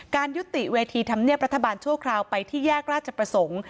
ยุติเวทีธรรมเนียบรัฐบาลชั่วคราวไปที่แยกราชประสงค์